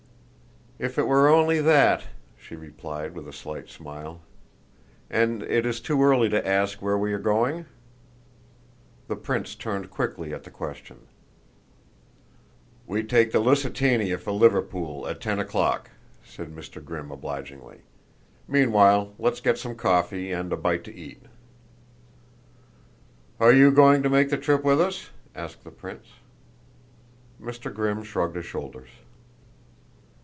"If it were only that!" she replied, with a slight smile. "And is it too early to ask where we are going?" The prince turned quickly at the question. "We take the Lusitania for Liverpool at ten o'clock," said Mr. Grimm obligingly. "Meanwhile let's get some coffee and a bite to eat." "Are you going to make the trip with us?" asked the prince. Mr. Grimm shrugged his shoulders.